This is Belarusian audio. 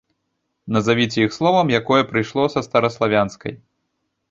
Назавіце іх словам, якое прыйшло са стараславянскай.